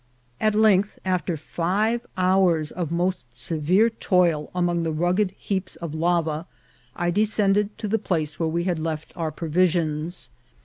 At length, after five hours of most severe toil among the rugged heaps of lava, I descended to the place where we had left our provisions.